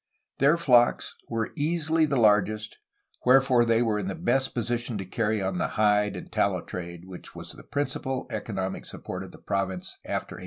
Their flocks were easily the largest, wherefore they were in the best position to carry on the hide and tallow trade which was the principal economic support of the province after 1810.